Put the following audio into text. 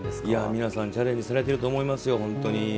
皆さんチャレンジされていると思います。